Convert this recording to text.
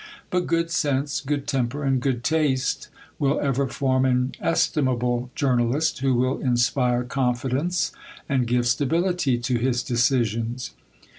But good sense, good temper, and good taste, will ever form an estimable journalist, who will inspire confidence, and give stability to his decisions.